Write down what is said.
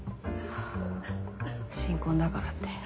新婚だからって。